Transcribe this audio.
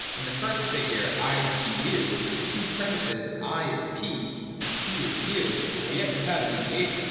In the first figure I — P — U the two premisses I is P and P is U are yet without a mediation.